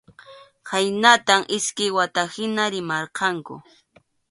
Khaynatam iskay wata hina rimarqanku.